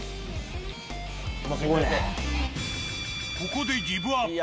ここでギブアップ。